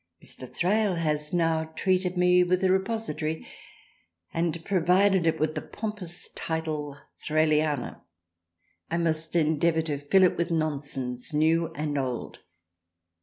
Mr. Thrale has now treated me with a Repository, and provided it with the pompous title "Thraliana." I must endeavour to fill it with nonsense, new and old."